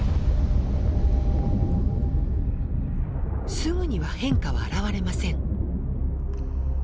すぐには変化は現れません。